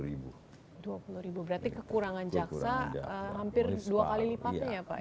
dua puluh ribu berarti kekurangan jaksa hampir dua kali lipatnya ya pak ya